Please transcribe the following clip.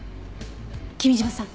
君嶋さん。